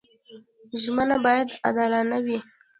ژمنه باید عادلانه وي.